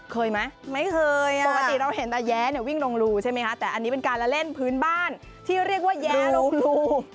เคยไหมไม่เคยปกติเราเห็นแต่แย้เนี่ยวิ่งลงรูใช่ไหมคะแต่อันนี้เป็นการละเล่นพื้นบ้านที่เรียกว่าแย้ลงรู